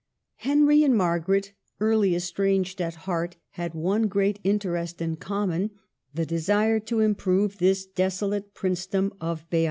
Henry and Margaret, early estranged at heart, had one great interest in common, — the desire to improve this desolate princedom of Beam.